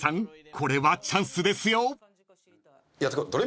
これはチャンスですよ］